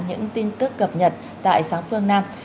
những tin tức cập nhật tại sáng phương nam